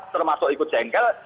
termasuk ikut jengkel